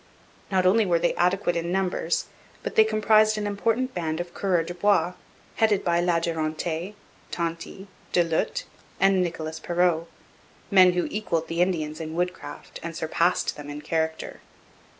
Not only were they adequate in numbers, but they comprised an important band of coureurs de bois, headed by La Durantaye, Tonty, Du Lhut, and Nicolas Perrot men who equalled the Indians in woodcraft and surpassed them in character.